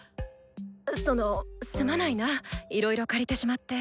そのすまないないろいろ借りてしまって。